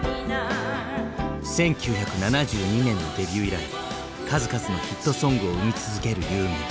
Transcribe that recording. １９７２年のデビュー以来数々のヒットソングを生み続けるユーミン。